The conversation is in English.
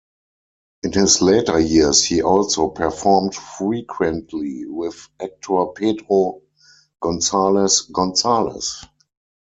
In his later years he also performed frequently with actor Pedro Gonzalez-Gonzalez.